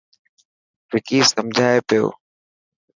وڪي سمجهائي پيو.